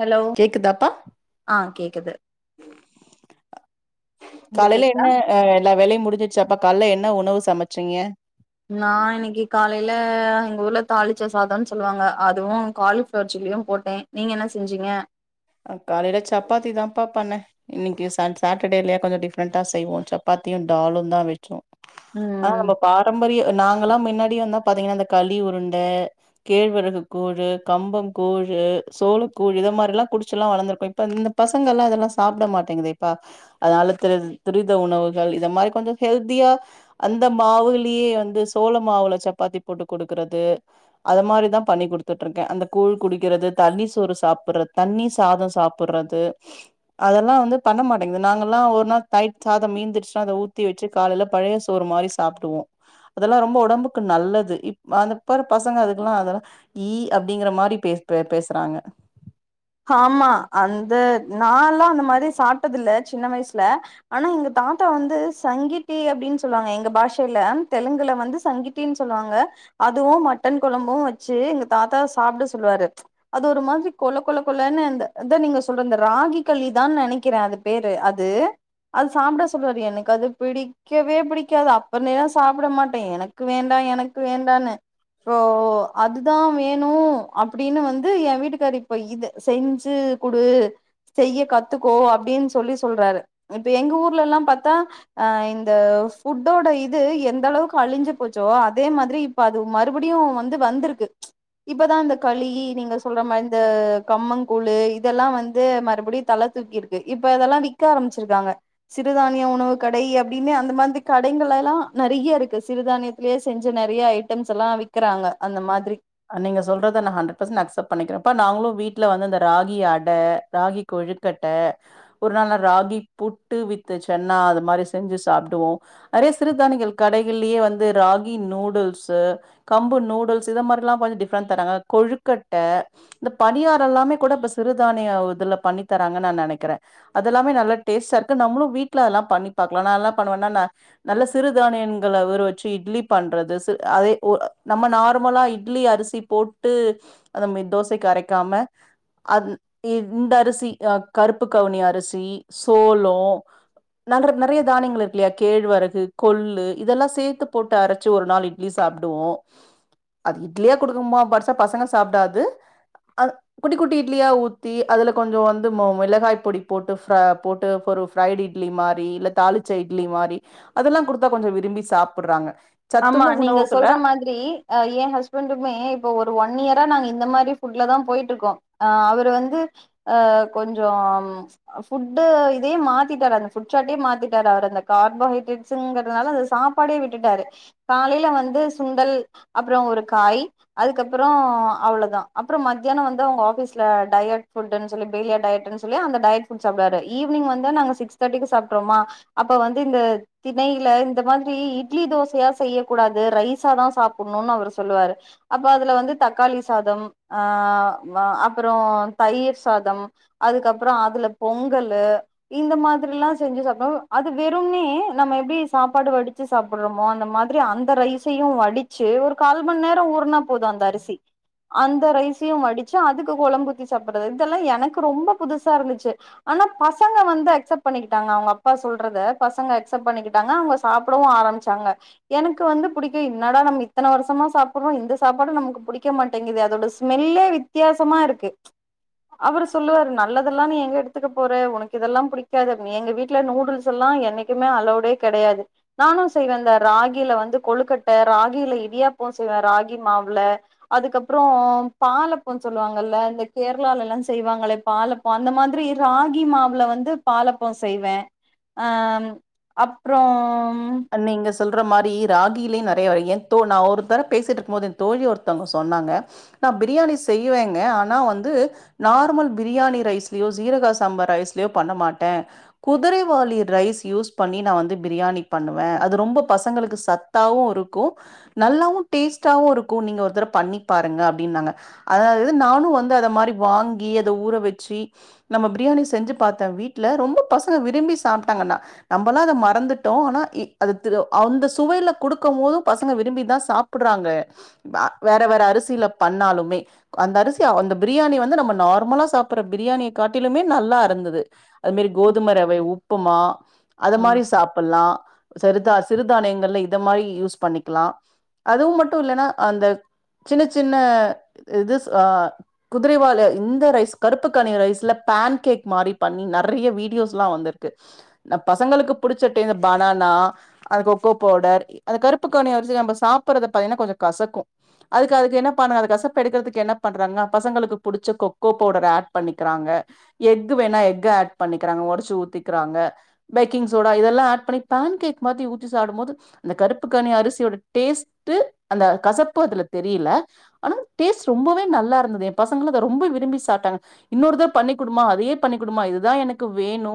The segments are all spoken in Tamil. ஹலோ கேக்குதாப்பா ஆ கேக்குது [unintelligible] ல்ல என்ன அ எல்லா வேலையு முடிஞ்சிச்சாப்பா கால்ல என்ன உணவு சமச்சிங்க நா இன்னைக்கி காலையில எங்க ஊர்ல தாளிச்சா சாதன் சொல்லுவாங்க அதுவு காலிஃப்ளவர் சில்லியு போட்டே நீங்க என்ன செஞ்சீங்க அ காலையில சப்பாத்தி தான்பா பண்ணே இன்னைக்கு சன் சாட்டடேல்யே கொஞ்சோ டிஃப்ரெண்டா செய்வோன்ட் சப்பாத்தியு டாலுந்தா வெச்சோ ஆனா ம் நம்ப பாரம்பரிய நாங்கல்லா மின்னாடி வந்தா பாத்தீங்ன்னா அந்த களி உருண்ட கேழ்வெரகு கூழு கம்பங்கூழு சோளக்கூழு இத மாரில்லா குடிச் சில்லா வளந்திருக்கோ இப்போ இந்த பசங்கல்லா இதெல்லா சாப்டமாட்டேங்குதேப்பா அதனால திரி துரித உணவுகள் இத மாரி கொஞ்சோ ஹெல்த்தியா அந்த மாவுலயே வந்து சோள மாவுல சப்பாத்தி போட்டு கொடுக்கறது அது மாரிதா பண்ணி குடுத்துட்டு இருக்கே அந்த கூழ் குடிக்கிறது தண்ணி சோறு சாப்புறத் தண்ணி சாதொ சாப்புறது அதெல்லா வந்து பண்ண மாட்டேங்குது நாங்கல்லா ஒரு நாள் தயிட் சாதம் மீந்துடுச்சுா அத ஊத்தி வச்சு காலையில பழைய சோறு மாறி சாப்டுவோ அதெல்லா ரொம்ப உடம்புக்கு நல்லது இப் அந்தப்பரு பசங்க அதுக்கெல்லா அதெல்லா ஈ அப்படிங்கற மாறி பே பே பேசுறாங்க ஹாமா அந்த நா எல்லா அந்த மாறி சாப்ட்டது இல்ல சின்ன வயசுல ஆனா எங்க தாத்தா வந்து சங்கீதி அப்டின்னு சொல்லுவாங்க எங்க பாஷைல தெலுங்குல வந்து சங்கீ டீன் சொல்லுவாங்க அதுவு மட்டன் கொழம்பும் வச்சு எங்க தாத்தா சாப்ட சொல்லுவாரு அது ஒரு மாதிரி கொல கொல லன்னு இந்த அத நீங்க சொல்ற இந்த ராகி களிதான்னு நனைக்கிறே அது பேரு அது அது சாப்பிட சொல்லுவாரு எனக்கு அது பிடி க்கவே பிடிக்காது அப்பும்லேலா சாப்ட மாட்டே எனக்கு வேண்டா எனக்கு வேண்டான்னு ஓ ஓ அதுதா வேணு அப்படின்னு வந்து என் வீட்டுக்காரு இப்ப இத செஞ்சு குடு செய்ய கத்துக்கோ அப்டின்னு சொல்லி சொல்றாரு இப்ப எங்க ஊர்ல எல்லா பாத்தா அ இந்த ஃபுட்டோட இது எந்த அளவுக்கு அழிஞ்சு போச்சோ அதே மாதிரி இப்ப அது மறுபடியு வந்து வந்திருக்கு இப்பதா இந்த களி நீங்க சொல்ற மார் இந்த கம்பங் கூழு இதெல்லா வந்து மறுபடியு தல தூக்கிருக்கு இப்ப இதெல்லா விக்க ஆரம்பிச்சிருக்காங்க சிறுதானிய உணவு கடை அப்படின்னே அந்த மாதிரி கடைகள் எல்லா நெறைய இருக்கு சிறுதானிய லே செஞ்ச நெறைய ஐட்டம்ஸ் எல்லா விக்கறாங்க அந்த மாதிரி அ நீங்க சொல்றத நான் ஹண்ட்ரட் பெர்சன்ட் அக்ஸப்ட் பண்ணிக்கிறேப்பா நாங்களும் வீட்ல வந்து இந்த ராகி அட ராகி கொழுக்கட்ட ஒரு நாள ராகி புட்டு வித்து சென்னா அது மாதிரி செஞ்சு சாப்டுவோ நெறைய சிறுதானிகள் கடைகள்லயே வந்து ராகி நூடுல்ஸு கம்பு நூடுல்ஸ் இத மாதிரி ல்லாம் கொஞ்ச டிஃப்ரெண்ட் தறாங்க கொழுக்கட்ட இந்த பணியார எல்லாமே கூட இப்ப சிறுதானிய இதுல பண்ணி தராங்கன்னு நா நெனைக்றே அதெல்லாமே நல்ல டேஸ்டா இருக்கு நம்மலு வீட்ல எல்லாம் பண்ணி பாக்கலா நா எல்லாம் பண்ணுவேன்னா நா நல்ல சிறுதானியன்கல உர வச்சு இட்லி பண்றது சி அதே ஒரு நம்ம நார்மலா இ இட்லி அரிசி போட்டு அந்த மெ தோசைக்கு அரைக்காம அந் இந்த அரிசி அ கருப்பு கவுனி அரிசி சோளோ நல்ற நெறைய தானியங்கள் இருக்குல்லையா கேழ்வரகு கொல்லு இதெல்லா சேத்து போட்டு அரச்சு ஒரு நாள் இட் லி சாப்டுவோ அது இட்லியா குடுக்கமா படுசா பசங்க சாப்டாது அ குட்டி குட்டி இட்லியா ஊத்தி அதுல கொஞ்சம் வந்து மு மிளகாய் பொடி போட்டு ஃபர போட்டு பொறுஃ ஃப்ரைட் இட்லி மாறி இல்ல தாளிச்சா இட்லி மாறி அதெல்லா குடுத்தா கொஞ்ச விரும்பி சாப்றாங்க ஆமா நீங்க சொல்ற மாதிரி ஆ என் ஹஸ்பண்டுக்குமே இப்போ ஒரு ஒன் இயரா நாங்க இந்த மாதிரி ஃபுட்ல தா போயிட்டு இருக்கோ ஆ அவரு வந்து அ கொஞ்சம் அ ஃபுட்டு இதே மாத்திட்டாரு அந்த ஃபுட் சாட்டே மாத்திட்டாரு அவர் அந்த கார்போஹைட்ரேட் ஸ்ங்கிறதுனால அந்த சாப்பாடே விட்டுட்டாரு காலையில வந்து சுண்டல் அப்புறோ ஒரு காய் அதுக்கப்புறோ அவ்ளோதா அப்புறம் மத்தியானம் வந்து அவுங்க ஆபீஸ்ல டயட் ஃபுட்னு சொல்லி பெலியா டயட்டுன் சொல் சொல்லி அந்த டையட் ஃபுட் சாப்டுவாரு ஈவினிங வந்து நாங்க சிக்ஸ் தர்டிக்கு சாப்ட்ருவோமா அப்ப வந்து இந்த திணையில இந்த மாதிரி இட்லி தோஸ் [unintelligible] செய்யக் கூடாது ரைசா தா சாப்பிடணுனு அவரு சொல்லுவாரு அப்போ அதுல வந்து தக்காளி சாதம் ஆ அப்றோ தயிர் சாதம் அதுக்கப்றோ அதுல பொங்கலு இந்த மாரில்லா செஞ்சு சாப்பிடோம் அது வெறும்னே நம்ம எப்டி சாப்பாடு வடிச்சு சாப்பிடுறோ அந்த மாரி அந்த ரைசையு வடிச்சு ஒரு கால் மணி நேர ஊற்னா போது அந்த அரிசி அந்த ரைசையு வடிச்சு அதுக்கு கொழம்பூத்தி சாப்பிடுறது இதெல்லா எனக்கு ரொம்ப புதுசா இருந்துச்சு ஆனா பசங்க வந்து அக்செப்ட் பண்ணிக்கிட்டாங்க அவங்க அப் அப்பா சொல்றது பசங்க அக்செப்ட் பண்ணிக்கிட்டாங்க அவங்க சாப்பிடவு ஆரம்பிச்சாங்க எனக்கு வந்து பிடிக்க என்னடா நம்ம இத்தன வருஷமா சாப்பிடுறோ இந்த சாப்பாடு நமக்கு பிடிக்க மாட்டேங்குது அதோட ஸ்மெல்லே வித்தியாசமா இருக்கு அவரு சொல்லுவாரு நல்லதெல்லா நீ எங்க எடுத்துக்க போற உனக்கு இதெல்லா புடிக்காது நீ எங்க வீட் வீட்ல நூடுல்ஸ் எல்லா என்னைக்குமே அளோவ்டே கெடையாது நானு செய்வ இந்த ராகில வந்து கொழுக்கட்ட ராகில இடியாப்போ செய்வ ராகி மாவுல அதுக்கப்றோ பாலப்போ சொல்லுவாங்கல்ல இந்த கேரளால எல்லா செய்வாங்ளே பாலப் அந்த மாரி ராகி மாவுல வந்து பாலப்போ செய்வே ஆ அப்றோ நீங்க சொல்ற மாரி ராகிலயு நெறைய வகைய ஏ தோ நா ஒரு தர பேசிகிட்டு இருக்கும்போது ஏ தோழி ஒருத்தவங்க சொன்னாங்க நா பிரியாணி செய்யிவேங்க ஆனா வந்து நார்மல் பிரியாணி ரைஸ்லயோ சீரக சம்பா ரைஸ்லயோ பண்ண மாட்டே குதிரைவாளி ரைஸ் யூஸ் பண்ணி நா வந்து பிரியாணி பண்ணுவே அது ரொம்ப பசங்களுக்கு சத்தாவு இருக்கு நல்லாவு டேஸ்ட்டாவு இருக்கு நீங்க ஒருத்தடவ பண்ணி பாருங்க அப்டின்னாங்க அதாவது நானு வந்து அத மாரி வாங்கி அத ஊற வெச்சு நம்ம பிரியாணி செஞ்சு பாத்தே வீட்ல ரொம்ப பசங்க விரும்பி சாப்ட்டாங்கன்னா நம்மளா அத மறந்துட்டோ ஆனா இ அது அந்த சுவையில குடுக்கும் போது பசங்க விரும்பி தா சாப் சாப்பிடறாங்க வேற வேற அரிசில பண்ணாலுமே அந்த அரிசி அந்த பிரியாணி வந்து நம்ம நார்மலா சாப்பிடுற பிரியாணிய காட்டிலுமே நல்லா இருந்தது அது மாரி கோதுமை ரவை உப்புமா அது ஆ மாரி சாப்பிட்லா சரிதாசி சிறுதானயங்கள இத மாரி யூஸ் பண்ணிக்கலா அதுவு மட்டு இல்லன்னா அந்த சின்ன சின்ன இது குதிரைவாளி இந்த ரைஸ் கருப்பு கவுனி ரைஸ்ல பேன் கேக் மாரி பண்ணி நெறைய வீடியோஸ் எல்லா வந்து க்கு பசங்களுக்கு புடிச்சிட்டு இந்த பனானா அது கொக்கோ பவுடர் அந்த கருப்பு கவுனிய அரிசி நம்ம சாப்படுறத பாத்தீங்கன்னா கொஞ்சோ கசக்கு அதுக்கு அதுக்கு என்ன பண்ணுங்க அது கசப்ப எடுக்கறதுக்கு என்ன பண்றாங்க பசங்களுக்கு புடிச்ச கொக்கோ பவுடர் ஆட் பண்ணிக்கிறாங்க எக்கு வேணா எக்கு ஆட் பண்ணிக்கிறாங்க ஒடச்சு ஊத்திக்கிறாங்க பேக்கிங் சோடா இதெல்லா ஆட் பண்ணி போன் கேக் மாரி ஊற்றி சாப்பிடு போது அந்த கருப்பு கவுனி அரிசியோட டேஸ்ட்டு அந்த கசப்பு அதுல தெரியல ஆனா டேஸ்ட் ரொம்பவே நல்லா இருந்தது ஏ பசங்களு அத ரொம்ப விரும்பி சாப்பிட்டாங்க இன்னொரு தடவ பண்ணி குடுமா அதையே பண்ணி குடுமா இதுதா எனக்கு வேணு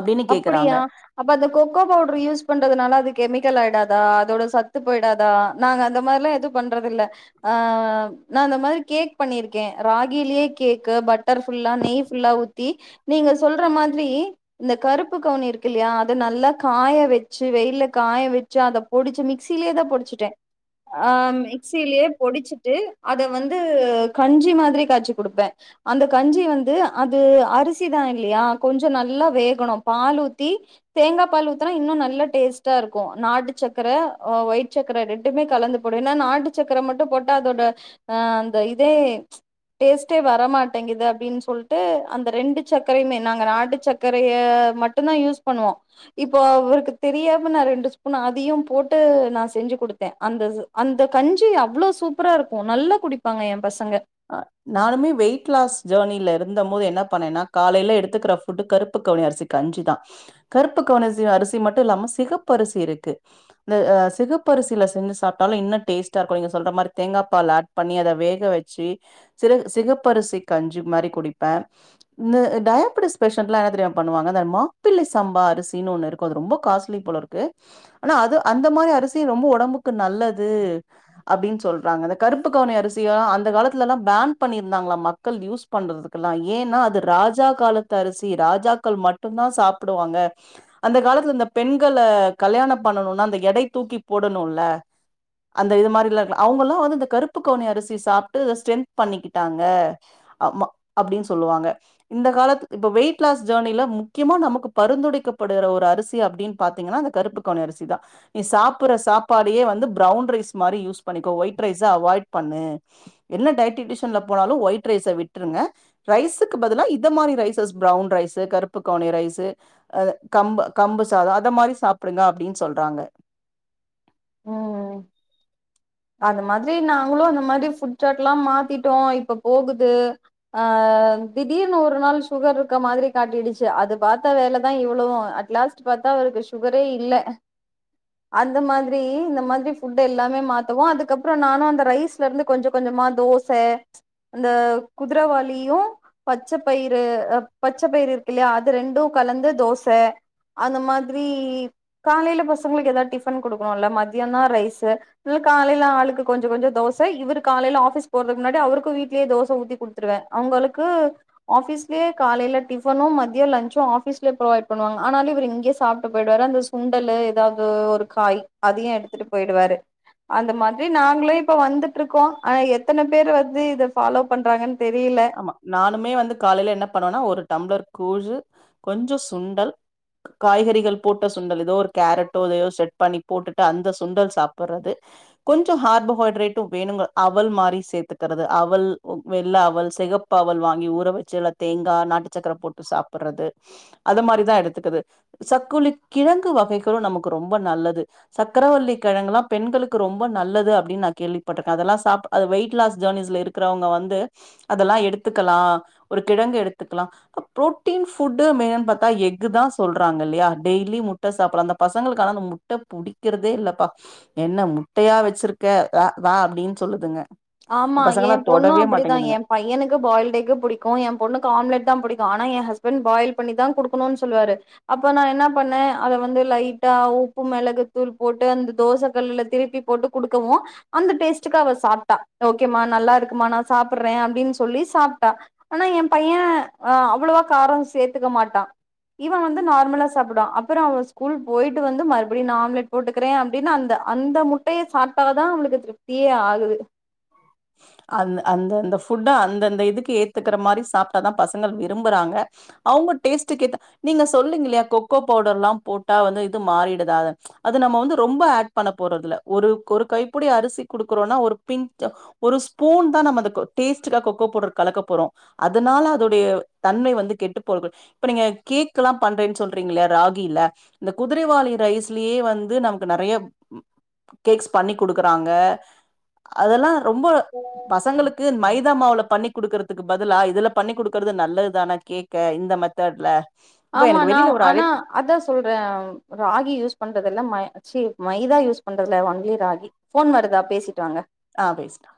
அப்டின்னு கேக்குறாங்க அப்பிடியா அப்ப அந்த கொக்கோ பவுடர் யூஸ் பண்றதுனால அது கெமிக்கல் ஆயிடாதா அதோட சத்து போயிடாதா நாங்க அந்த மாரிலா எதுவு பண்றதில்ல ஆ நா அந்தந்த மாரி கேக் பண்ணிருக்கே ராகிலயே கேக்கு பட்டர் ஃபுல்லா நெய் ஃபுல்லா ஊத்தி நீங்க சொல்ற மாதிரி இந்த கருப்பு கவுனி இருக்குல்லயா அத நல்லா காய வெச்சு வெயில காய வெச்சு அத பொடிச்ச மிக்சிலயே தான பொடிச்சுட்டே ஆ மிக்சியிலயே பொடிச்சிட்டு அத வந்து கஞ்சி மாதிரி காய்ச்சி குடுப்பே அந்த கஞ்சி வந்து அது அரிசிதா இல்லையா கொஞ்ச நல்லா வே க்கணும் பாலூத்தி தேங்கா பால் ஊத்தனா இன்னு நல்ல டேஸ்ட்டா இருக்கு நாட்டு சக்கர ஒயிட் சக்கர ரெண்டுமே கலந்துப் போடுவ என்ன நாட்டு சக்கர மட்டு போட்டா அதோட அ அந்த இதே டேஸ்ட்டே வர மாட்டேங்குது அப்டின் சொல்ட்டு அந்த ரெண்டு சக்கரையுமே நாங்க நாட்டு சக்க ரைய மட்டுந்தா யூஸ் பண்ணுவோ இப்போ அவருக்கு தெரியாம நா ரெண்டு ஸ்பூன் அதையு போட்டு நா செஞ்சு குடுத்தே அந்த ச அந்த கஞ்சி அவ்ளோ சூப்பரா இருக்கு நல்லா குடிப்பாங்க எ பசங்க நானுமே வெயிட் லாஸ் ஜேனியில இருந்தம் போது என்ன பண்ணேன்னா காலையில எடுத்துக்குற ஃபு ஃபுட் கருப்பு கவுனி அரிசி கஞ்சுதா கருப்பு கவுனி அரிசி அரிசி மட்டு இல்லாம சிகப்பு அரிசி இருக்கு இந்த சிகப்பரிசில செஞ்சி சாப்டாலு இன்னு டேஸ்ட்டா இருக்கு நீங்க சொல்ற மாரி தேங்கா பால் ஆட் பண்ணி அத வேக வச்சு சிறகு சிகப்பரிசி கஞ்சு மாரி குடிப்ப இந்த டயாபடிஸ் பேஷன்ட்லா என்ன தெரியுமா பண்ணுவாங்க இந்த மாப்பிள்ளை சம்பா அரிசினு ஒன்னு இருக் கு அது ரொம்ப காஸ்ட்லி போல இருக்கு ஆனா அது அந்த மாரி அரிசி ரொம்ப ஒடம்புக்கு நல்லது அப்டின் சொல்றாங்க அந்த கருப்பு கவுணி அரிசிய அந்த காலத் துலல்லா பேன் பண்ணியிருந்தாங்களா மக்கள் யூஸ் பண்றதுகெல்லா ஏன்னா அது ராஜா காலத்த அரிசி ராஜாக்கள் மட் ட்டும்ந்தா சாப்புடுவாங்க அந்த காலத்துல இந்த பெண்கள கல்யாண பண்ணணுனா அந்த எடை தூக்கி போடணுல அந்த இது மாரில்லா இருக்குல அவங்கல்லா வந்து இந்த கருப்பு கவுனி அரிசி சாப்டு ஸ்ட்ரென்த் பண்ணிக்கிட்டாங்க ஆமா அப்டின் சொல்லுவாங்க இந்த காலத்து இப்ப வெயிட் லாஸ் ஜெர்னியில முக்கியமா நமக்கு பரிந்துரைக்கப்படுகிற ஒரு அரிசி அப்டின் பாத்தீங்கன்னா அந்த கருப்புக்கவுனி அரிசி தா நீ சாப்புற சாப்பாடியே வந்து பிரௌவுன் ரைஸ் மாரி யூஸ் பண்ணிக்கோ ஒயிட் ரைஸ அவாய்ட் பண்ணு என்ன டைட்டிஷன்ல போனாலு ஒயிட் ரைஸ விட்ருங்க ரைஸுக்கு பதிலா இத மாரி ரைசஸ் பிரௌன் ரைஸு கருப்புக்கவனி ரைஸு அ கம்பு கம்பு சாத அத மாரி சாப்பிடுங்க அப்டின்னு சொல்றாங்க ம் அது மாதிரி நாங்களு அந்த மாரி ஃபுட் சாட்ல்லா மாத்திட்டோ இப்ப போகுது ஆ திடீர்னு ஒரு நாள் சுகர் இருக்க மாதிரி காட்டிடுச்சு அது பாத்த வேலதா இவ்ளவு அட்லாஸ்ட் ச்சு பாத்தா அவருக்கு சுகரே இல்ல அந்த மாதி ரி இந்த மாதிரி ஃபுட் எல்லாமே மாத்தவு அதுக்கப்புற நானு அந்த ரைஸ்ல இருந்து கொஞ்ச கொஞ்சமா தோச அந்த குதிரவாளியு பச்சை பயிரு பச்சை பயிரு இருக்கு இல்லையா அது ரெண்டு கலந்து தோச அந்த மாதிரி காலையில பசங்களுக்கு ஏதாவது டிஃபன் கொடுக்கணுல்ல மத்தியானம் ரைஸு இல் காலையில ஆளுக்கு கொஞ்ச கொஞ்ச தோசை இவர் காலையில ஆபிஸ் போறதுக்கு முன்னாடி அவருக்கு வீட்லயே தோச ஊத்தி குடுத் த்துருவே அவங்களுக்கு ஆபீஸ்லயே காலையில டிஃபனு மதிய லன்சு ஆபீஸ்லயே ப்ரொவைட் பண்ணுவாங்க ஆனாலு இவரு இங்கயே சாப்ட்டு போயிடுவாரு அந்த குண்டலு ஏதாவது ஒரு காய் அதையு எடுத்துட்டு போயிடுவாரு அந்த மாதிரி நாங்களு இப்ப வந்துட்டு இருக்கோ ஆ எத்தன பேர் வந்து இத ஃபாலோ பண்றாங்கன்னு தெரில நானுமே வந்து காலையில என்ன பண்ணுவனா ஒரு டம்ளர் கூழு கொஞ்ச சுண்டல் காய்கறிகள் போட்ட சுண்டல் ஏதோ ஒரு கேரட்டோ இதையோ செட் பண்ணி போட்டுட்டு அந்த சுண்டல் சாப்பறது கொஞ்ச ஹார்போஹைட்ரேட்டு வேணுங்க அவல் மாரி சேத்துக்கறது அவல் வெள்ள அவல் சிகப்பவல் வாங்கி ஊற வச்சு இல்ல தேங்கா நாட்டு சக்கர போட்டு சாப்புடுறது அது மாரிதா எடுத்துக்குது சக்குலிக் கிழங்கு வகைகளு நமக்கு ரொம்ப நல்லது சக்கரவல்லி கிழங்கெல்லா பெண்களுக்கு ரொம்ப நல்லது அப்டின்னு நா கேள்விப்பட்டிருக்கே அதெல்லா சாப் அது வெயிட் லாஸ் ஜானிஸ்ல இருக்கிறவங்க வந்து அதெல்லா எடுத்துக்கலா ஒரு கிழங்கு எடுத்துக்கலா ப்ரோட்டீன் ஃபுட்டு மெய்னா பாத்தா எஃகு தா சொல்றாங்க இல்லையா டெய்லி முட்ட சாப்ல அந்த பசங்களுக்கான மு முட்ட புடிக்கிறதே இல்லப்பா என்ன முட்டையா வச்சிருக்க த்வ வ அப்டின்னு சொல்லுதுங்க ஆமா என் ஏ பசங்கலா பொண்ணு தொடவே அப்டிதா மாட்டேங்குதுங்க ஏ பையனுக்கு பாயில்ட் எக்கு புடிக்கு எ பொண்ணுக்கு ஆம்லெட் தா புடிக்கு ஆனா எ ஹஸ்பண்ட் பாயில் பண்ணிதா குடுக்குணு சொல்லுவாரு அப்ப நா என்ன பண்ணே அத வந்து லைட்டா உப்பு மிளகு தூள் போட்டு அந்த தோச கல்லுல திருப்பிப் போட்டு குடுக்கவு அந்த டேஸ்டுக்கு அவ சாப்ட்டா ஓகேமா நல்லா இருக்குமா நா சாப்பறே அப்டின்னு சொல்லி சாப்ட்டா ஆனா எ பைய ஆ அவ்ளவா காரோ சேத்துக்க மாட்டா இவ வந்து நார்மலா சாப்புற அப்பறோ அவ ஸ்கூல் போயிட்டு வந்து மறுபடியு நா ஆம்லெட் போட்டுக் க்றே அப்டின்னு அந்த அந்த முட்டைய சாப்ட்டாதா அவளுக்கு திருப்தியே ஆகுது அந் அந்த அந்த ஃபுட்டு அந்தந்த இதுக்கு ஏத்துக்கிற மாரி சாப்ட்டாதா பசங்கள் விரும்புறாங்க அவுங்க டேஸ்ட்டுக்கு கேத்த நீங்க சொல்லுங் இல்லையா கொக்கோ பவுடர்ல்லா போட்டா வந்து இது மாறிடுதாத அது நம்ம வந்து ரொம்ப ஆட் பண்ண போறதில்ல ஒரு கொரு கைப்புடி அரிசி குடுக்குறோனா ஒரு பிஞ்ச் ஒரு ஸ்பூன் தா நம்ம அந்த கொ டேஸ்ட்கா கொக்கோ பவுடர் கலக்க போறோ அதனால அதோடைய தன்மை வந்து கெட்டு போகு இப்ப நீங்க கேக்ல்லா பண்றேன்னு சொல்றீங்கில்லையா ராகில இந்த குதிரைவாளி ரைஸ்லேயே வந்து நமக்கு நெறைய கேக்ஸ் பண்ணி குடுக்குறாங்க அதெல்லா ரொம்ப பசங்களுக் கு மைதா மாவுல பண்ணி் குடுக்றதுக்கு பதிலா இதுல பண்ணி குடுக்றது நல்லதுதான கேக்க இந்த மெத்தட்ல இப்ப எனக்கு ஆமானாவ் வெளில ஒரு ஆனா அழைப்பு அதா சொல்றே ராகி யூஸ் பண்றதெல்லா மை ச்சி மைதா யூஸ் பண்றதில்ல ஒன்லி ராகி ஃபோன் வருதா பேசிட்டு வாங்க ஆ பேசிட்டா